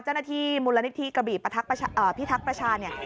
เจ้าหน้าที่มูลนิธิกระบี่พิทักษ์ประชาเนี่ย